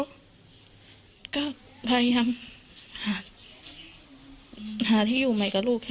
ก็พยายามหาที่อยู่ใหม่กับลูกแค่